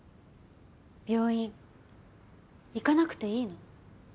病院行かなくていいの？